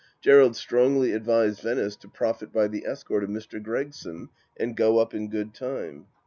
Gerald strongly advised Venice to profit by the escort of Mr. Gregson and go up in good time.